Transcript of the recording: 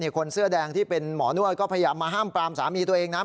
คนเสื้อแดงที่เป็นหมอนวดก็พยายามมาห้ามปรามสามีตัวเองนะ